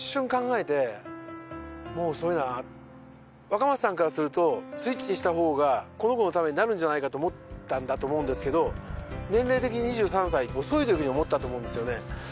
若松さんからするとスイッチにした方がこの子の為になるんじゃないかと思ったんだと思うんですけど年齢的に２３歳遅いというふうに思ったと思うんですよね。